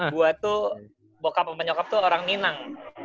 gue tuh bokap pembanyokap tuh orang minang